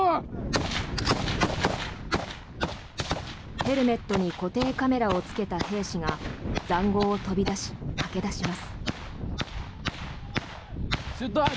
ヘルメットに固定カメラをつけた兵士が塹壕を飛び出し、駆け出します。